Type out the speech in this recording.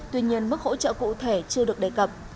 tuy nhiên mức hỗ trợ cụ thể chưa được đề cập